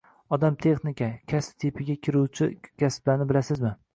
“Odam – texnika” kasb tipiga kiruvchi kasblarni bilasizmi